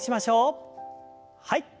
はい。